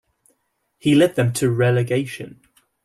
He led them to relegation.